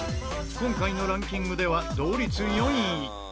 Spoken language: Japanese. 今回のランキングでは同率４位。